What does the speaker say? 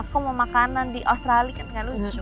aku mau makanan di australia gak lucu